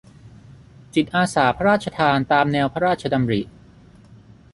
จิตอาสาพระราชทานตามแนวพระราชดำริ